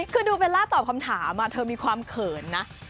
คือดูเบลล่าตอบคำถามเธอมีความเขินนะ